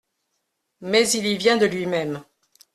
Mais il y vient de lui-même.